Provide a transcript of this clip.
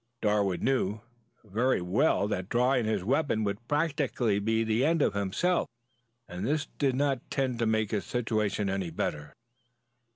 Darwood knew very well that drawing his weapon would practically be the end of himself, and this did not tend to make his situation any better.